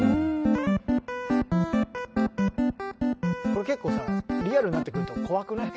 これ結構さリアルになってくると怖くない？